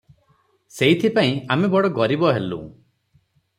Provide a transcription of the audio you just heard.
ସେଇଥିପାଇଁ ଆମେ ବଡ଼ ଗରିବ ହେଲୁଁ ।